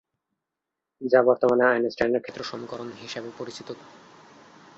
যা বর্তমানে আইনস্টাইনের ক্ষেত্র সমীকরণ হিসাবে পরিচিত।